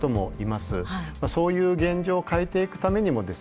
まあそういう現状を変えていくためにもですね